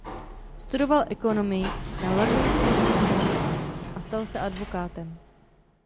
Studoval ekonomii na London School of Economics a stal se advokátem.